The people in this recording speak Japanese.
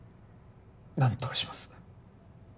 なんとかします。